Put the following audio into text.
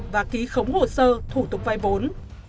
và ký khống hồ sơ thủ tục vay vốn